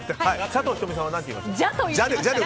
佐藤仁美さんは何と言いました？